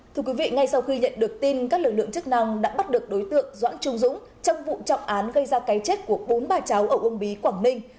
thưa quý vị ngay sau khi nhận được tin các lực lượng chức năng đã bắt được đối tượng doãn trung dũng trong vụ trọng án gây ra cái chết của bốn bà cháu ở uông bí quảng ninh